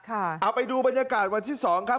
เอาไปดูบรรยากาศวันที่๒ครับ